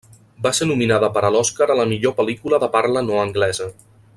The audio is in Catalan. Va ser nominada per a l'Oscar a la millor pel·lícula de parla no anglesa.